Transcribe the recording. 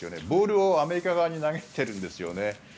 ボールをアメリカ側に投げているんですよね。